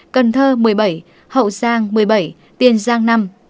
cần thơ một mươi bảy hậu giang một mươi bảy tiền giang năm